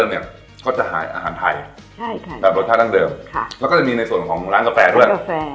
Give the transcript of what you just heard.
แบบรสชาติดั้งเดิมแล้วก็จะมีในส่วนของร้านกาแฟด้วย